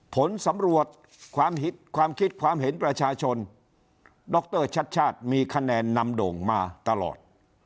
ผลสำรวจความคิดความเห็นประชาชนดรชัดชาติมีคะแนนนำโด่งมาตลอด